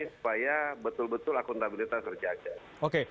supaya betul betul akuntabilitas terjaga